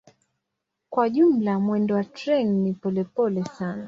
Kwa jumla mwendo wa treni ni polepole sana.